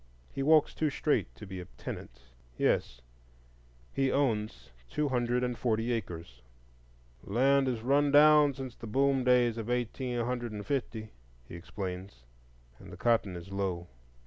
He walks too straight to be a tenant,—yes, he owns two hundred and forty acres. "The land is run down since the boom days of eighteen hundred and fifty," he explains, and cotton is low.